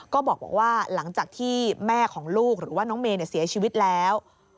ก็บอกว่าหลังจากที่แม่ของลูกหรือว่าน้องเมย์เสียชีวิตแล้ว